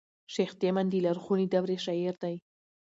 شېخ تیمن د لرغوني دورې شاعر دﺉ.